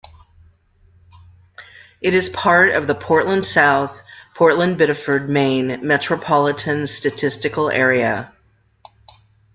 It is part of the Portland-South Portland-Biddeford, Maine, metropolitan statistical area.